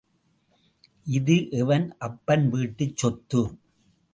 இது எவன் அப்பன் வீட்டுச் சொத்து?